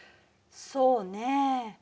そうね。